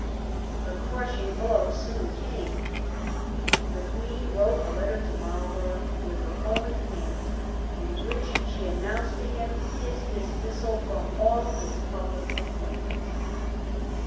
The crushing blow soon came. The Queen wrote a letter to Marlborough with her own hand, in which she announced to him his dismissal from all his pubUc appointments.